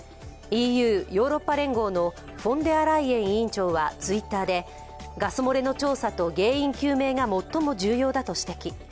ＥＵ＝ヨーロッパ連合のフォンデアライエン委員長はＴｗｉｔｔｅｒでガス漏れの調査と原因究明が最も重要だと指摘。